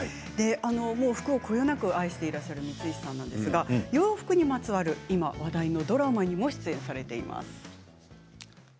洋服をこよなく愛している光石さんは洋服にまつわる話題のドラマにご出演されています。